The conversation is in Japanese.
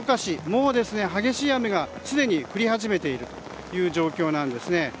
もう激しい雨がすでに降り始めているという状況なんです。